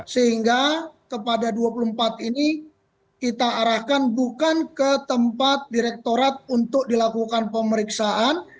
sehingga kepada dua puluh empat ini kita arahkan bukan ke tempat direktorat untuk dilakukan pemeriksaan